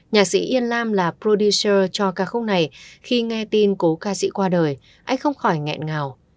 nhạc sĩ yên lam là prodinser cho ca khúc này khi nghe tin cố ca sĩ qua đời anh không khỏi nghẹn ngào